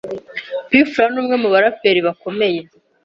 P Fla ni umwe mu baraperi bakomeye